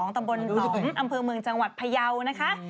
ตำบลตุ๋มอำเภอเมืองจังหวัดพยาวนะคะ